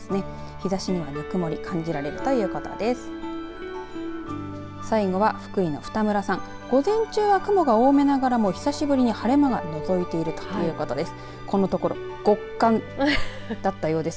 日ざしにはぬくもりを感じられるということです。